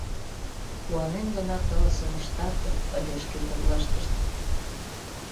Куанен гына тынысым ыштат ыле шке коклаштышт.